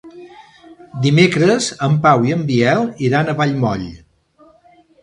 Dimecres en Pau i en Biel iran a Vallmoll.